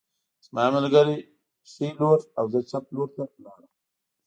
زما یو ملګری ښي لور او زه چپ لور ته لاړم